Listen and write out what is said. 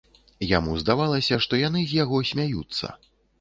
Яму здавалася, што яны з яго смяюцца.